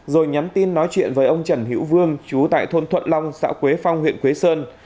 rồi nhắm tin nói chuyện với ông trần hữu vương trú tại thôn thuận long xã quế phong huyện quế sơn